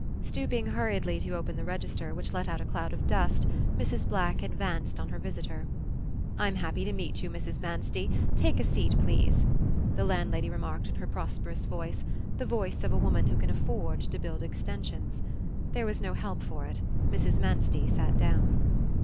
Stooping hurriedly to open the register, which let out a cloud of dust, Mrs. Black advanced on her visitor. "I'm happy to meet you, Mrs. Manstey; take a seat, please," the landlady remarked in her prosperous voice, the voice of a woman who can afford to build extensions. There was no help for it; Mrs. Manstey sat down.